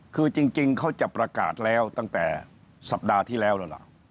คือจริงเขาจะประกาศแล้วตั้งแต่สัปดาห์ที่แล้วแล้วล่ะ